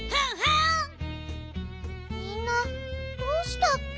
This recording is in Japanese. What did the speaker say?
みんなどうしたッピ？